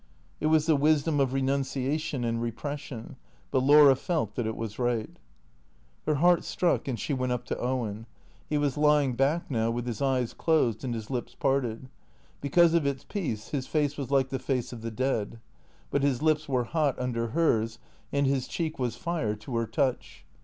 It was the wisdom of renunciation and repression ; but Laura felt that it was right. Her hour struck and she went up to Owen. He was lying THE CEEA TOES 511 back now with his eyes closed and his lips parted. Because of its peace his face was like the face of the dead. But his lips were hot under hers and his cheek was fire to her touch.